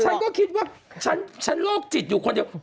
ฉันก็คิดว่าฉันโรคจิตอยู่คนเดียว